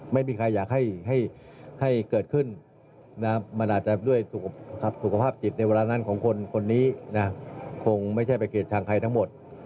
ไม่มีใครอยากให้เกิดขึ้นมันอาจจะด้วยสุขภาพจิตในเวลานั้นของคนนี้นะคงไม่ใช่ไปเกลียดชังใครทั้งหมด